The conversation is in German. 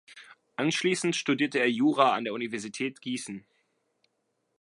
Anschließend studierte er Jura an der Universität Gießen.